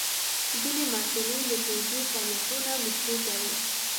ځینې محصلین د ټولګی فعالیتونو مشري کوي.